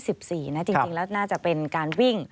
จริงแล้วน่าจะเป็นการวิ่ง